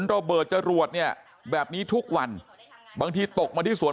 พวกมันกลับมาเมื่อเวลาที่สุดพวกมันกลับมาเมื่อเวลาที่สุด